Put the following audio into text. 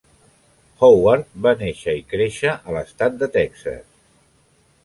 Howard va néixer i créixer a l'estat de Texas.